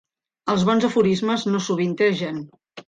Els bons aforismes no sovintegen.